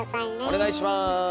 お願いします。